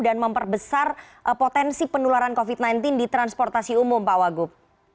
dan memperbesar potensi penularan covid sembilan belas di transportasi umum pak wagub